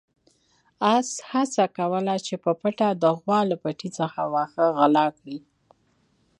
اس هڅه کوله چې په پټه د غوا له پټي څخه واښه وغلا کړي.